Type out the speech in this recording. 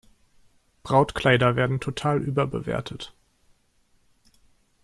Brautkleider werden total überbewertet.